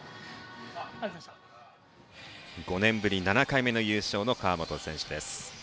５年ぶり７回目の優勝の川元選手。